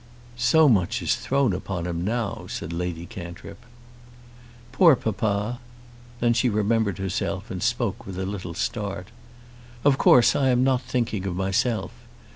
"So much is thrown upon him now," said Lady Cantrip "Poor papa!" Then she remembered herself, and spoke with a little start. "Of course I am not thinking of myself.